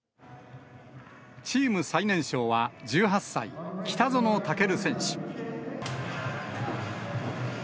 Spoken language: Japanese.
チーム最年少は１８歳、北園丈琉選手。